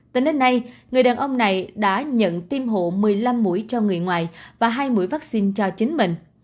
từ nơi này người đàn ông này đã nhận tiêm hộ một mươi năm mũi cho người ngoài và hai mũi vaccine cho chính mình